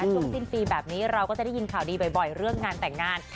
ช่วงสิ้นปีแบบนี้เราก็จะได้ยินข่าวดีบ่อยเรื่องงานแต่งงาน